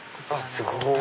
すごい！